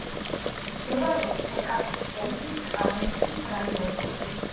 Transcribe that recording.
მდებარეობს ჩერკასის ოლქის კამენკის რაიონში.